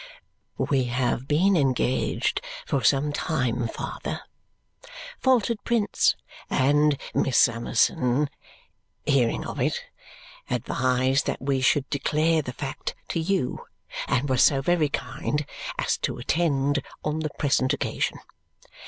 "We have been engaged for some time, father," faltered Prince, "and Miss Summerson, hearing of it, advised that we should declare the fact to you and was so very kind as to attend on the present occasion.